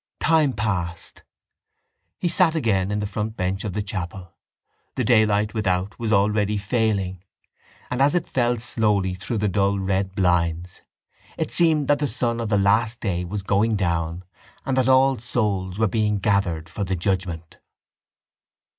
Time passed. He sat again in the front bench of the chapel. The daylight without was already failing and, as it fell slowly through the dull red blinds, it seemed that the sun of the last day was going down and that all souls were being gathered for the judgement.